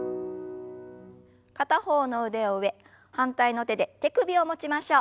片方の腕を上反対の手で手首を持ちましょう。